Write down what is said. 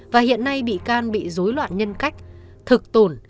và hiện nay bị can bị dối loạn nhân cách thực tổn